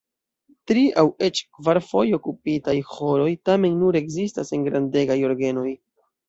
Tri- aŭ eĉ kvarfoje okupitaj ĥoroj tamen nur ekzistas en grandegaj orgenoj.